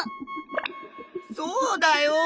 そうだよ！